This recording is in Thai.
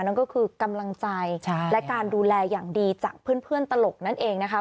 นั่นก็คือกำลังใจและการดูแลอย่างดีจากเพื่อนตลกนั่นเองนะคะ